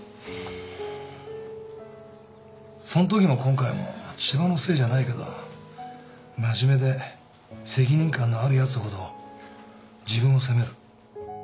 そんときも今回も千葉のせいじゃないけどまじめで責任感のあるやつほど自分を責める。